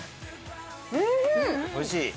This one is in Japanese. おいしい？